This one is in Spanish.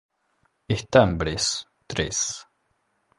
Estambres tres.